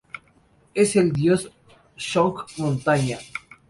Es el dios de Zhong Montaña.